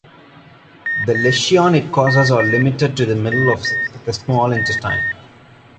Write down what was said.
The lesions it causes are limited to the middle of the small intestine.